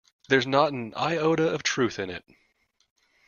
There's not an iota of truth in it.